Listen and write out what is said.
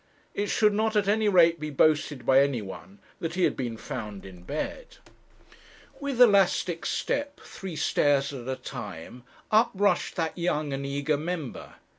It should not at any rate be boasted by any one that he had been found in bed. With elastic step, three stairs at a time, up rushed that young and eager member.